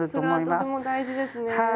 あそれはとても大事ですね。